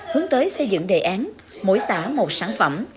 hướng tới xây dựng đề án mỗi xã một sản phẩm